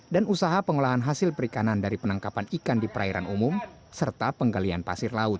dan usaha pengelahan hasil perikanan dari penangkapan ikan di perairan umum serta penggalian pasir laut